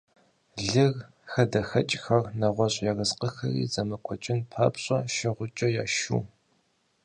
Лыр, хадэхэкӀхэр, нэгъуэщӀ ерыскъыхэри зэмыкӀуэкӀын папщӀэ, шыгъукӀэ яшыу.